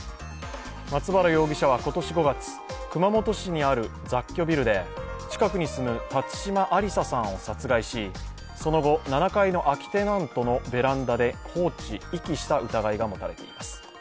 松原容疑者は今年５月、熊本市にある雑居ビルで近くに住む辰島ありささんを殺害し、その後、７階の空きテナントのベランダに遺棄した疑いが持たれています。